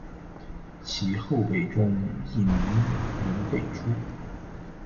其后辈中亦名人辈出。